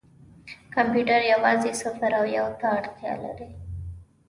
کمپیوټر یوازې صفر او یو ته اړتیا لري.